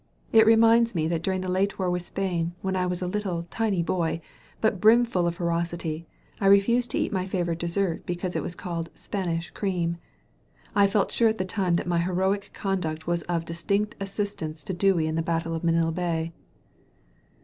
It reminds me that during the late war with Spain, when I was a little, tiny boy, but brimful of ferocity, I re fused to eat my favorite dessert because it was called Spanish cream. I felt sure at the time that my heroic conduct was of distinct assistance to Dewey in the battle of Manila Bay.''